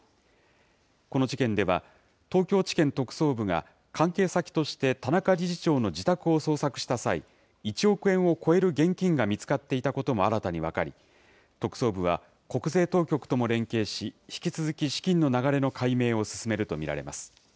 この事件では、東京地検特捜部が、関係先として田中理事長の自宅を捜索した際、１億円を超える現金が見つかっていたことも新たに分かり、特捜部は国税当局とも連携し、引き続き、資金の流れの解明を進めると見られます。